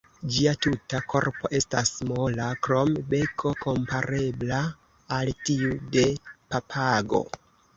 Ĝia tuta korpo estas mola, krom beko komparebla al tiu de papago.